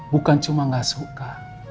bukan cuma nggak suka